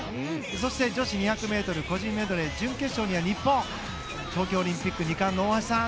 そして女子２００ｍ個人メドレー準決勝には日本東京オリンピック２冠の大橋さん。